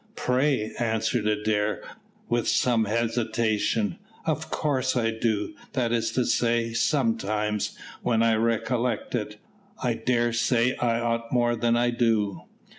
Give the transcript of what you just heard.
"Pray!" answered Adair, with some hesitation, "of course I do; that is to say, sometimes when I recollect it. I dare say I ought more than I do."